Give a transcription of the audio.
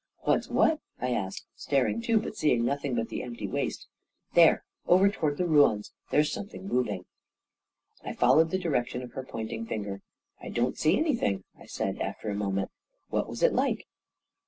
" What's what? " I asked, staring too, but seeing nothing but the empty waste. " There — over toward the ruins — there's some thing moving." I followed the direction of her pointing finger. " I don't see anything," I said, after a moment. "What was it like?"